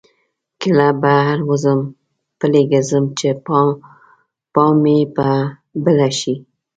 کله بهر وځم پلی ګرځم چې پام مې په بله شي.